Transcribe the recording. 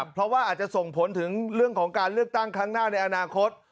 เพราะว่าอาจจะส่งผลถึงเรื่องของการเลือกตั้งครั้งหน้าในอนาคต